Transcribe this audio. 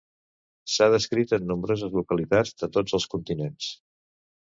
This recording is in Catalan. S'ha descrit en nombroses localitats de tots els continents.